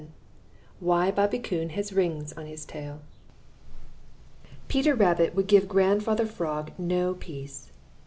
XI WHY BOBBY COON HAS RINGS ON HIS TAIL Peter Rabbit would give Grandfather Frog no peace.